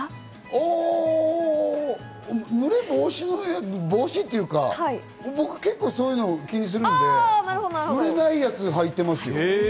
あ、ムレ防止というか、僕、結構、そういうの気にするんで、ムレないやつ履いてますよ。